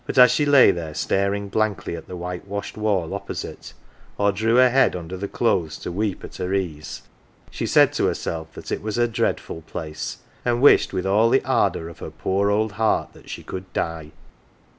But as she lay there staring blankly at the white washed wall opposite, or drew her head under the clothes to weep at her ease, she said to herself that it was a dreadful place, and wished with all the ardour of her poor old heart that she could die.